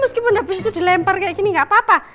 meskipun abis itu dilempar kayak gini gak papa